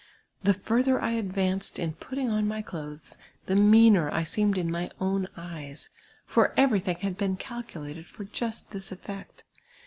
The further 1 advanced in putting on my clothes, the meaner I seemed in mv o^>'n eves ; for evervthinj^ had been calculated for just this effect.